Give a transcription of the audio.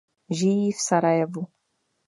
Žijí v Sarajevu.